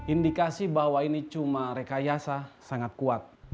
indikasi bahwa ini cuma rekayasa sangat kuat